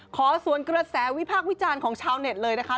สวนกระแสวิพากษ์วิจารณ์ของชาวเน็ตเลยนะคะ